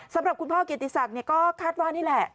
สำหรับคุณพ่อเกียรติศักดิ์ก็คาดว่านี่แหละ